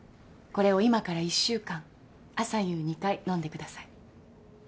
これを今から１週間朝夕２回のんでください。